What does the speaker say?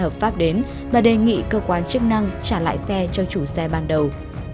hợp pháp đến và đề nghị cơ quan chức năng trả lại xe cho chủ xe ban đầu